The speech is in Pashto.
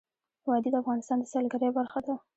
وادي د افغانستان د سیلګرۍ برخه ده.